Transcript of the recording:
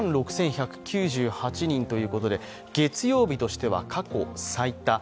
７万６１９８人ということで月曜日としては過去最多。